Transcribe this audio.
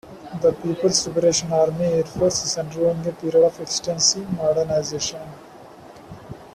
The People's Liberation Army Air Force is undergoing a period of extensive modernization.